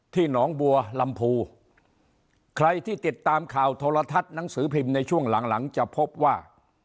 หนองบัวลำพูใครที่ติดตามข่าวโทรทัศน์หนังสือพิมพ์ในช่วงหลังหลังจะพบว่า